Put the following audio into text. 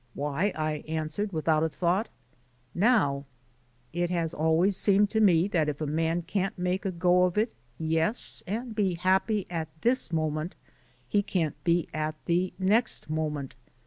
'Why,' I answered without a thought, 'Now.' It has always seemed to me that if a man can't make a go of it, yes, and be happy at this moment, he can't be at the next moment.